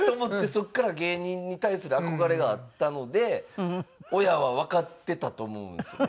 そこから芸人に対する憧れがあったので親はわかってたと思うんですよね。